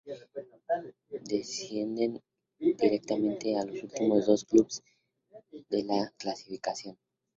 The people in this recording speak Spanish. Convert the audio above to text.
Descienden directamente los últimos dos clubes en la clasificación.